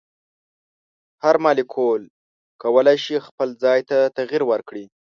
هر مالیکول کولی شي خپل ځای ته تغیر ورکړي.